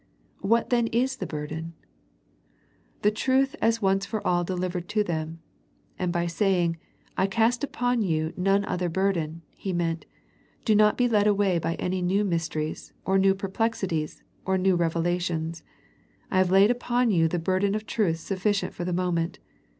What then is the burden ? The truth as once for all delivered to them ; and by saying, " I cast upon you none other burden," He meant, Do not be led away by any new mysteries, or new perplexities, or new revelations. I have laid upon you the bur den of truth sufficient for the moment.